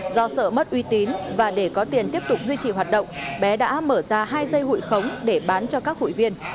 do sợ mất uy tín và để có tiền tiếp tục duy trì hoạt động bé đã mở ra hai dây hụi khống để bán cho các hụi viên